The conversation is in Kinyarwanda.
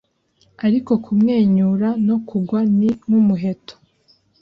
ariko kumwenyura no kugwa ni nkumuheto